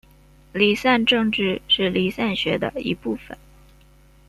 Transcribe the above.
离散政治是离散学的一部份。